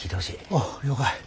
おう了解。